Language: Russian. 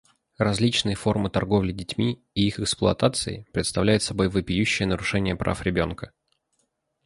Различные формы торговли детьми и их эксплуатации представляют собой вопиющие нарушения прав ребенка.